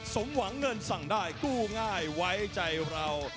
สมหวังเงินสั่งได้กู้ง่ายไว้ใจเรา